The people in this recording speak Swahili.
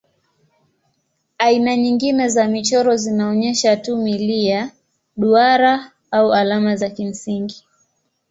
Aina nyingine za michoro zinaonyesha tu milia, duara au alama za kimsingi.